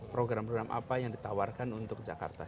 program program apa yang ditawarkan untuk jakarta